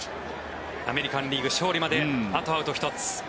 アメリカン・リーグ勝利まで、あとアウト１つ。